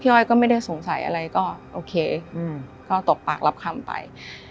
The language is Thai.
อ้อยก็ไม่ได้สงสัยอะไรก็โอเคก็ตกปากรับคำไป